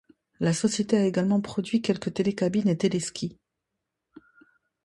La société a également produit quelques télécabines et téléskis.